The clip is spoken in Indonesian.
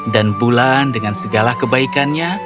dan bulan dengan segala kebaikannya